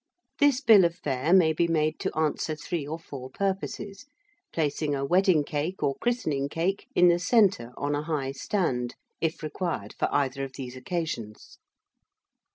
This bill of fare may be made to answer three or four purposes, placing a wedding cake or christening cake in the centre on a high stand, if required for either of these occasions.